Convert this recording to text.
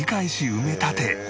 埋め立て